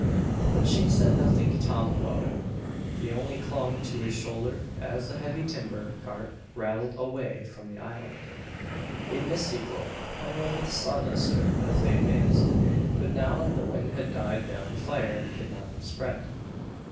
But she said nothing to Tom about it. She only clung to his shoulder as the heavy timber cart rattled away from the island. A misty glow hung over the sawdust strip as they advanced; but now that the wind had died down the fire could not spread.